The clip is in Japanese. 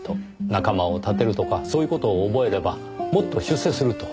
仲間を立てるとかそういう事を覚えればもっと出世すると。